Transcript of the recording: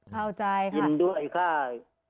เข้าใจค่ะยินด้วยค่ะ